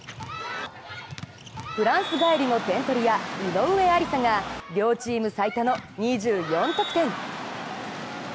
フランス帰りの点取り屋、井上愛里沙が両チーム最多の２４得点。